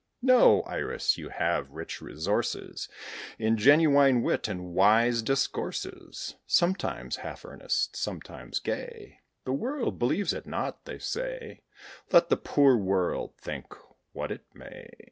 No, Iris! you have rich resources In genuine wit, and wise discourses, Sometimes half earnest, sometimes gay; The world believes it not, they say: Let the poor world think what it may.